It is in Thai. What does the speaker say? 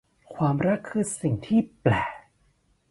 ความรักคือสิ่งที่แปลก